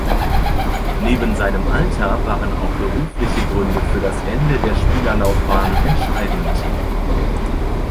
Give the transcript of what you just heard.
Neben seinem Alter waren auch berufliche Gründe für das Ende der Spielerlaufbahn entscheidend.